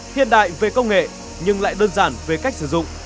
hiện đại về công nghệ nhưng lại đơn giản về cách sử dụng